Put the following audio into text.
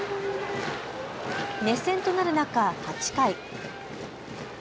熱戦となる中、８回。